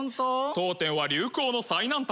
当店は流行の最南端。